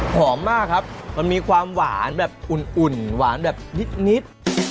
หอมมากครับมันมีความหวานแบบอุ่นอุ่นหวานแบบนิดนิด